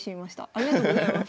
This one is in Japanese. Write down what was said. ありがとうございます。